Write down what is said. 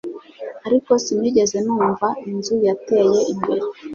Ariko sinigeze numva inzu yateye imbere